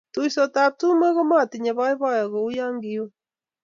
tuisotab tumwek ko matinye boiboiyo kou ya kiu